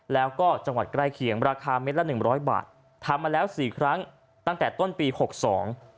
แล้วก็จังหวัดใกล้เคียงราคาเม็ดละหนึ่งร้อยบาททำมาแล้วสี่ครั้งตั้งแต่ต้นปีหกสอง